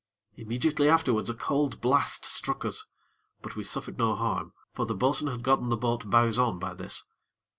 Immediately afterwards a cold blast struck us; but we suffered no harm, for the bo'sun had gotten the boat bows on by this.